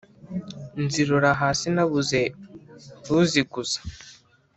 nzirora hasi nabuze uziguza !